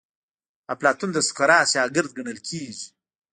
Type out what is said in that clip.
افلاطون د سقراط شاګرد ګڼل کیږي.